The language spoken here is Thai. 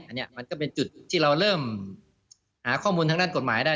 อันนี้มันก็เป็นจุดที่เราเริ่มหาข้อมูลทางด้านกฎหมายได้